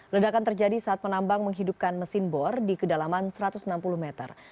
ledakan terjadi saat penambang menghidupkan mesin bor di kedalaman satu ratus enam puluh meter